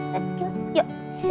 let's go yuk